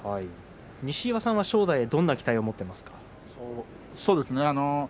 西岩さんは正代にどんな期待を持っていますか？